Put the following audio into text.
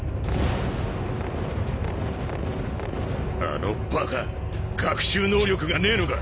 あのバカ学習能力がねえのか！